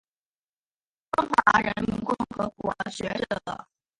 中华人民共和国学者。